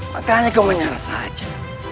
makanya kau menyerah saja